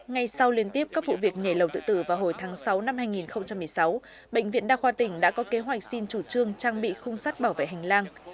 ngay sau liên tiếp các vụ việc nhảy lầu tự tử vào hồi tháng sáu năm hai nghìn một mươi sáu bệnh viện đa khoa tỉnh đã có kế hoạch xin chủ trương trang bị khung sát bảo vệ hành lang